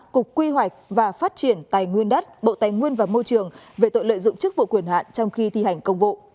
cục quy hoạch và phát triển tài nguyên đất bộ tài nguyên và môi trường về tội lợi dụng chức vụ quyền hạn trong khi thi hành công vụ